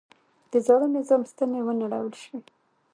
د زاړه نظام ستنې ونړول شوې.